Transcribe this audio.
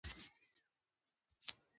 نو په تاریخ کي د یوه اتل په توګه یادیږي